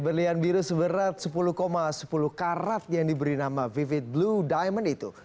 berlian biru seberat sepuluh sepuluh karat yang diberi nama vivid blue diamond itu